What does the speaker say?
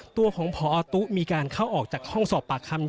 ตัวของพอตุ๊มีการเข้าออกจากห้องสอบปากคำ